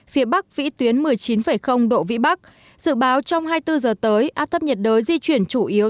phía bắc vĩ tuyến một mươi chín độ vĩ bắc dự báo trong hai mươi bốn h tới áp thấp nhiệt đới di chuyển chủ yếu